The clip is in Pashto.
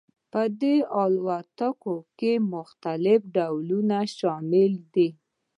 په دې الوتکو کې مختلف ډولونه شامل دي